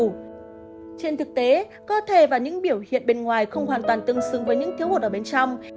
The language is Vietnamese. trên thực tế cơ thể và những biểu hiện bên ngoài không hoàn toàn tương xứng với những thiếu hụt ở bên trong